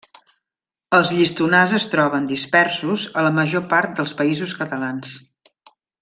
Els llistonars es troben, dispersos, a la major part dels Països Catalans.